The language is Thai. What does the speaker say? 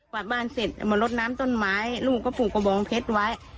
วาดบ้านเสร็จมาลดน้ำต้นไม้ลูกก็ปลูกกระบองเพชรไว้